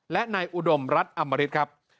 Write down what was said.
และนายอุดมรัฐอมริตครับ